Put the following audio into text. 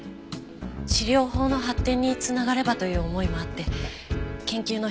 治療法の発展に繋がればという思いもあって研究の被験者として